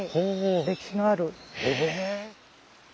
歴史のある。